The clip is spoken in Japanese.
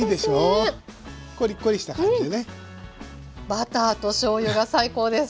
バターとしょうゆが最高です！